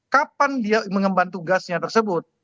kapan dia mengemban tugasnya tersebut